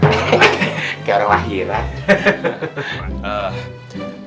kayak orang lahiran